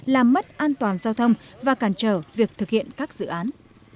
làm mất an toàn giao thông và cản trở việc thực hiện các dự án